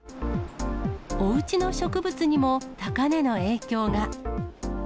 おうちの植物にも高値の影響が。